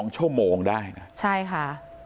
๒ชั่วโมงได้นะ